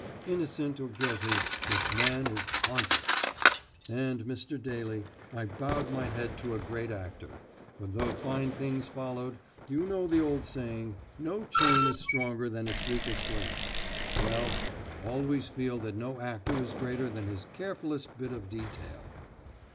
Innocent or guilty, this man is haunted!' And Mr. Daly, I bowed my head to a great actor, for though fine things followed, you know the old saying, that 'no chain is stronger than its weakest link.' Well I always feel that no actor is greater than his carefulest bit of detail."